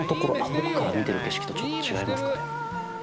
僕から見てる景色とちょっと違いますかね